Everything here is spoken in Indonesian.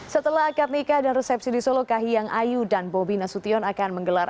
setelah akad nikah dan resepsi di solo kahiyang ayu dan bobi nasution akan menggelar